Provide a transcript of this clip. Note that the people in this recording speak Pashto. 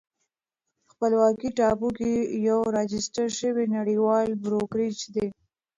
خپلواکه ټاپو کې یو راجستر شوی نړیوال بروکریج دی